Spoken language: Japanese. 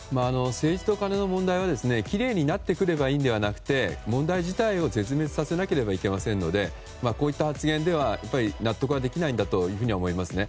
政治とカネの問題はきれいになってくればいいのではなくて問題自体を絶滅させなければいけませんのでこういった発言では納得はできないと思いますね。